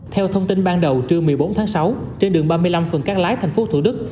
theo thông tin ban đầu trưa một mươi bốn tháng sáu trên đường ba mươi năm phần cát lái thành phố thủ đức